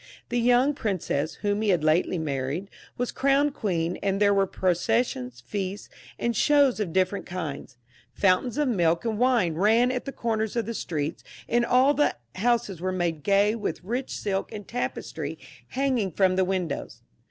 The young princess, whom he had lately married, was crowned queen, and there were processions, feasts, and shows of different kinds ; fountains of milk and wine ran at the comers of the streets, and all the houses were made gay with rich silk and tapestry hanging from the windows.